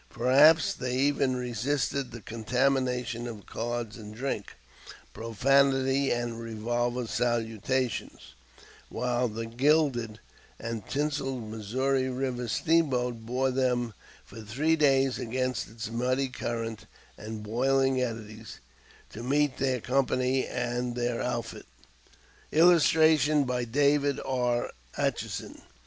Perhaps they even resisted the contamination of cards and drink, profanity and revolver salutations, while the gilded and tinseled Missouri River steamboat bore them for three days against its muddy current and boiling eddies to meet their company and their outfit. [Illustration: DAVID R. ATCHISON.